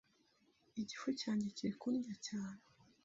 Igifu cyanjye kirikundya cyane